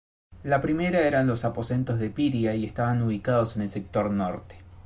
La primera eran los aposentos de Piria y estaban ubicados en el sector Norte.